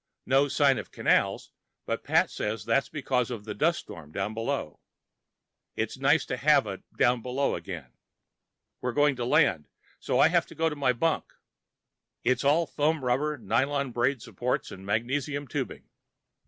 No sign of canals, but Pat says that's because of the dust storm down below. It's nice to have a "down below" again. We're going to land, so I have to go to my bunk. It's all foam rubber, nylon braid supports and magnesium tubing.